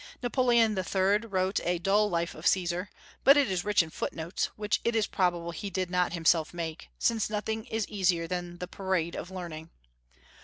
Napoleon III. wrote a dull Life of Caesar, but it is rich in footnotes, which it is probable he did not himself make, since nothing is easier than the parade of learning.